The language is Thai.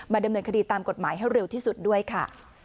ดำเนินคดีตามกฎหมายให้เร็วที่สุดด้วยค่ะ